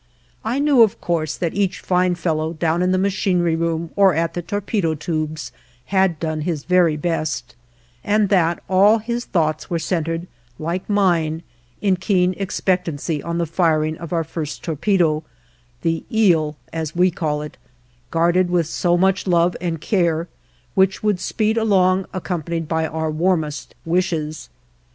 I knew, of course, that each fine fellow, down in the machinery room or at the torpedo tubes, had done his very best, and that all his thoughts were centered like mine in keen expectancy on the firing of our first torpedo the eel as we call it, guarded with so much love and care which would speed along accompanied by our warmest wishes.